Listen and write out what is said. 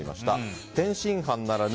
天津飯ならぬ